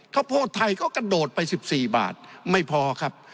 ข้าวโพดไทยก็กระโดดไป๑๔บาทไม่พอครับ